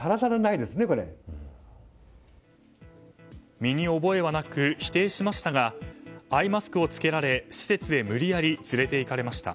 身に覚えはなく否定しましたがアイマスクを着けられ施設へ無理やり連れていかれました。